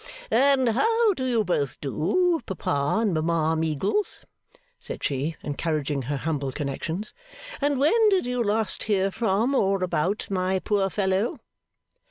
'And how do you both do, Papa and Mama Meagles?' said she, encouraging her humble connections. 'And when did you last hear from or about my poor fellow?